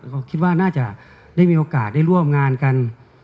ก็คิดว่าน่าจะได้มีโอกาสได้ร่วมงานกัน